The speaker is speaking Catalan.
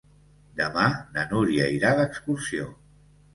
Demà na Núria irà d'excursió.